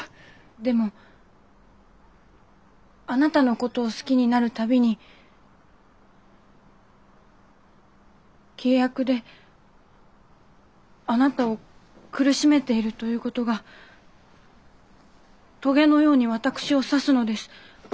でもあなたのことを好きになる度に契約であなたを苦しめているということが棘のように私を刺すのです。